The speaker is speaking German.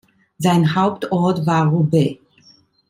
Sein Hauptort war Roubaix.